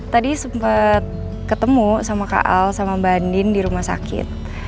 tadi sempat ketemu sama kak al sama mbak din di rumah sakit